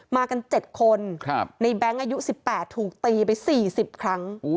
มากัน๗คนในแบงค์อายุ๑๘ถูกตีไป๔๐ครั้ง